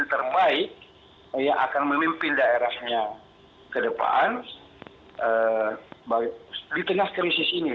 yang terbaik yang akan memimpin daerahnya ke depan di tengah krisis ini